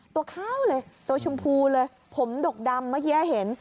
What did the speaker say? ตัวข้าวเลยตัวชมพูเลยผมดกดำเมื่อกี้เห็น